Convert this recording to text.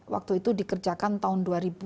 waktu itu dikerjakan tahun dua ribu sembilan belas